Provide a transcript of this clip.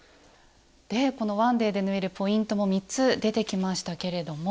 １ｄａｙで縫えるポイントも３つ出てきましたけれども。